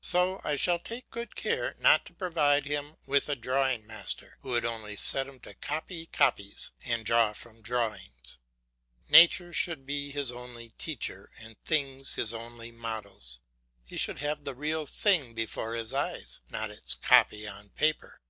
So I shall take good care not to provide him with a drawing master, who would only set him to copy copies and draw from drawings. Nature should be his only teacher, and things his only models. He should have the real thing before his eyes, not its copy on paper.